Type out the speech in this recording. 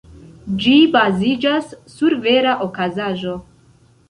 Ĝi baziĝas sur vera okazaĵo.